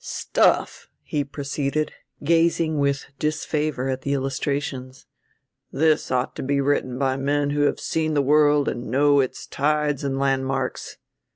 "Stuff," he proceeded, gazing with disfavor at the illustrations. "This ought to be written by men who have seen the world and know its tides and landmarks.